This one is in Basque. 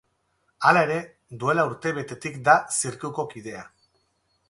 Hala ere, duela urtebetetik da zirkuko kidea.